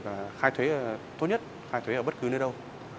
và khai thuế tốt nhất khai thuế ở bất cứ nơi đâu